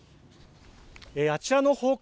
あちらの方向